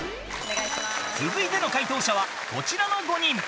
［続いての解答者はこちらの５人］